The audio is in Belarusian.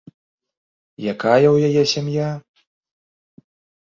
Якая ў яе сям'я?